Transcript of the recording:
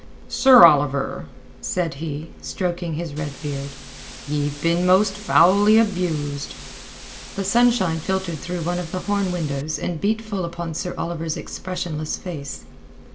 "Sir Oliver," said he, stroking his red beard, "ye've been most foully abused." The sunshine filtered through one of the horn windows and beat full upon Sir Oliver's expressionless face.